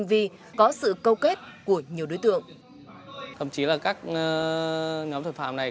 và các đối tượng này